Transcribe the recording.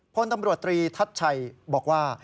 พลตำรวจตรีทัศน์ชัยบอกว่า